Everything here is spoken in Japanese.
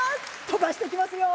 飛ばしていきますよ。